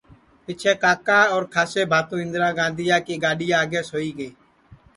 پِچھیں کاکا اور کھانٚسے بھاتو اِندرا گاندھیا کی گڈؔیا آگے سوئی گے